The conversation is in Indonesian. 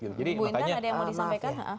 bu wintra ada yang mau disampaikan